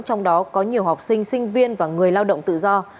trong đó có nhiều học sinh sinh viên và người lao động tự do